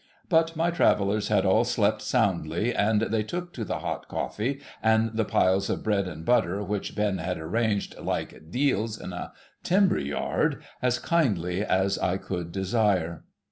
But my Travellers had all slept soundly, and they took to the hot coffee, and the piles of bread and butter, which Ben had arranged like deals in a timber yard, as kindly as I could desire.